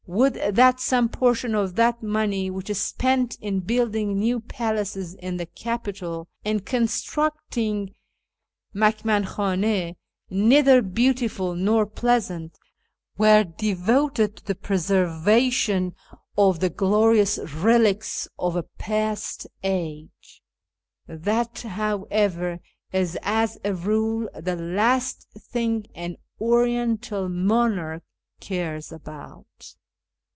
Would that some portion of that money which is spent in building new palaces in the capital, and constructing ISFAHAN ?.i9 tnilwidn khdnSs neither beautiful nor pleasant, were devoted to the preservation of the glorious relics of a past age ! That, however, is as a rule the last thing an Oriental monarch cares about.